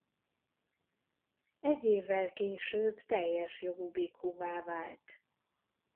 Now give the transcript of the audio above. Egy évvel később teljes jogú bhikkhuvá vált.